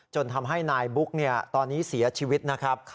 จนทำให้นายบุ๊กตอนนี้เสียชีวิตนะครับ